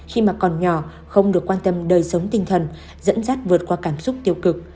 khi mà còn nhỏ không được quan tâm đời sống tinh thần dẫn dắt vượt qua cảm xúc tiêu cực